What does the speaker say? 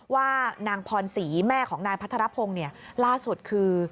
ว่านางพรศรีแม่ของนายพัทรพงศ์ล่าสุดคือ